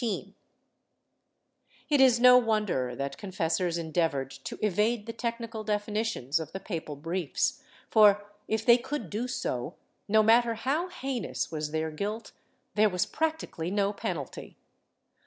IV 8 114 SOLICITATION [Book VIII It is no wonder that confessors endeavored to evade the technical definitions of the papal briefs for, if they could do so, no matter how heinous was their guilt there was practically no penalty.